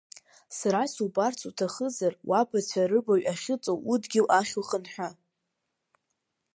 Сара субарц уҭахызар, уабацәа рыбаҩ ахьыҵоу удгьыл ахь ухынҳәы!